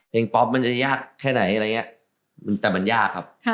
ป๊อปมันจะยากแค่ไหนอะไรอย่างนี้แต่มันยากครับ